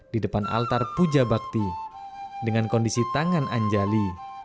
di depan altar puja bakti dengan kondisi tangan anjali